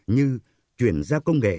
như chuyển ra công nghệ